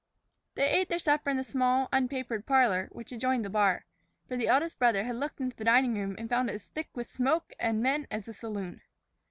They ate their supper in the small, unpapered parlor which adjoined the bar, for the eldest brother had looked into the dining room and found it as thick with smoke and men as the saloon.